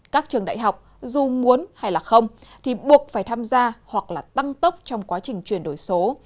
các trường đại học dù muốn hay là không thì buộc phải tham gia hoặc là tăng tốc trong quá trình chuyển đổi số